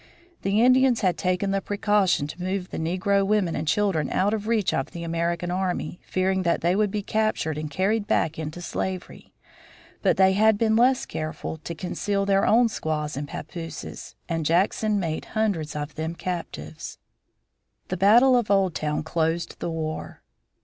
The Indians had taken the precaution to move the negro women and children out of reach of the American army, fearing that they would be captured and carried back into slavery, but they had been less careful to conceal their own squaws and pappooses, and Jackson made hundreds of them captives. The battle of Old Town closed the war.